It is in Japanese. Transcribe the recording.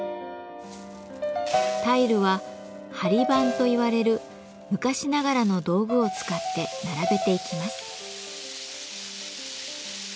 タイルは貼板といわれる昔ながらの道具を使って並べていきます。